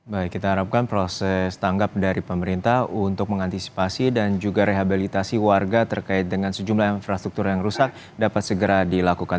baik kita harapkan proses tanggap dari pemerintah untuk mengantisipasi dan juga rehabilitasi warga terkait dengan sejumlah infrastruktur yang rusak dapat segera dilakukan